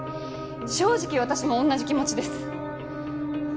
正直私も同じ気持ちです。